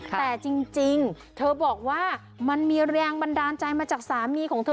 แต่จริงเธอบอกว่ามันมีแรงบันดาลใจมาจากสามีของเธอ